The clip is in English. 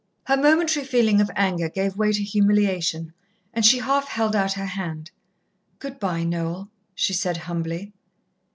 Her momentary feeling of anger gave way to humiliation, and she half held out her hand. "Good bye, Noel," she said humbly.